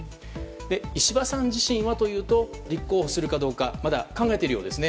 石破さん自身はというと立候補するかどうかまだ考えているようですね。